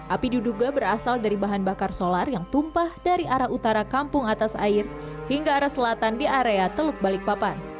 api diduga berasal dari bahan bakar solar yang tumpah dari arah utara kampung atas air hingga arah selatan di area teluk balikpapan